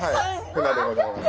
フナでございます。